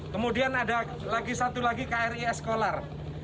kemudian ada lagi satu lagi kri eskolar